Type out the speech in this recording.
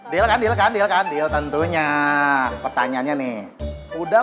dia kan dia kan dia tentunya pertanyaannya nih